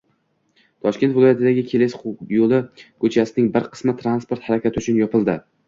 Toshkent viloyatidagi Keles yo‘li ko‘chasining bir qismi transport harakati uchun yopildi